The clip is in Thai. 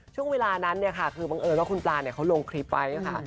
ช่วงเวลานั้นคือบังเอิญว่าคุณปลาเขาลงคลิปไว้นะคะ